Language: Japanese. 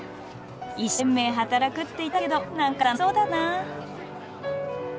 一生懸命働くって言ってたけど何か楽しそうだったな。